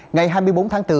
ngày hai mươi bốn tháng bốn